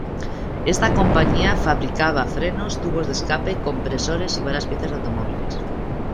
Esta compañía fabricaba frenos, tubos de escape, compresores y varias piezas de automóviles.